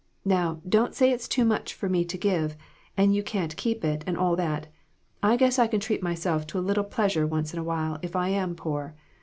' Now, don't say it's too much for me to give, and you can't keep it, and all that. I guess I can treat myself to a little pleasure once in a while, if I am poor.